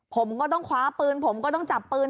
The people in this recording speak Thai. ผมก็ต้องคว้าปืนผมก็ต้องจับปืน